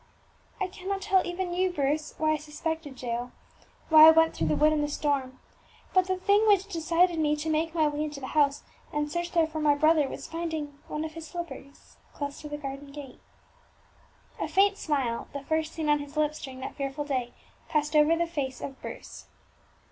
"I cannot tell even you, Bruce, why I suspected Jael, why I went through the wood in the storm, but the thing which decided me to make my way into the house and search there for my brother was finding one of his slippers close to the garden gate." A faint smile, the first seen on his lips during that fearful day, passed over the face of Bruce.